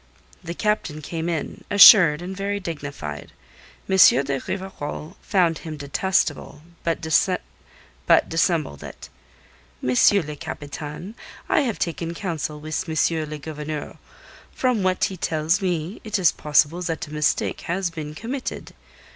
The Captain came in, assured and very dignified. M. de Rivarol found him detestable; but dissembled it. "M. le Capitaine, I have taken counsel with M. le Gouverneur. From what he tells me, it is possible that a mistake has been committed.